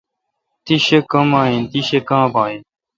تی شی کما این؟ تی شی کا ں باگہ این۔